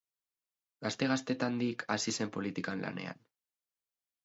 Gazte-gaztetandik hasi zen politikan lanean.